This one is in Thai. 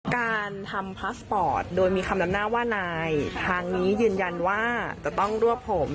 การทำพาสปอร์ตโดยมีคำนำหน้าว่านายทางนี้ยืนยันว่าจะต้องรวบผม